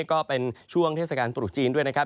ก็เป็นช่วงเทศกาลตรุษจีนด้วยนะครับ